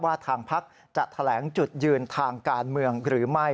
ทางพักจะแถลงจุดยืนทางการเมืองหรือไม่